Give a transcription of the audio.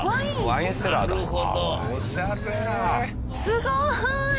すごーい！